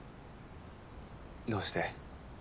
どうして？